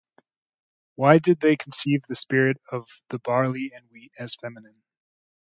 Why did they conceive the spirit of the barley and wheat as feminine.